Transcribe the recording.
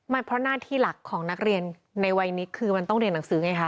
เพราะหน้าที่หลักของนักเรียนในวัยนี้คือมันต้องเรียนหนังสือไงคะ